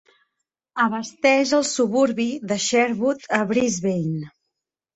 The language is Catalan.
Abasteix el suburbi de Sherwood a Brisbane.